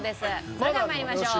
それでは参りましょう。